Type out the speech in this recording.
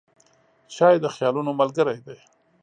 چای د خیالونو ملګری دی.